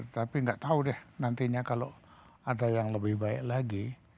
tapi nggak tahu deh nantinya kalau ada yang lebih baik lagi